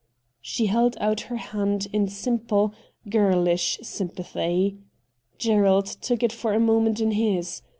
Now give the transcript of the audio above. She held out her hand in simple, girlish sympathy. Gerald took it for a moment in his.